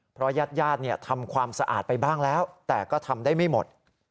เพราะญาติทำความสะอาดไปบ้างแล้วแต่ก็ทำได้ไม่หมด